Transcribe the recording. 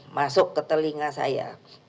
masuk ke telinga saya